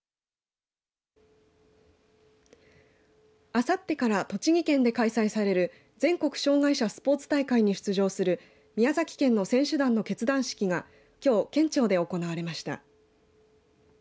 あさってから栃木県で開催される全国障害者スポーツ大会に出場する宮崎県の選手団の結団式がきょう、県庁で行われました。